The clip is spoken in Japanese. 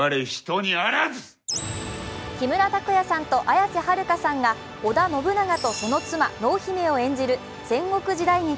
木村拓哉さんと綾瀬はるかさんが織田信長とその妻、濃姫を演じる戦国時代劇。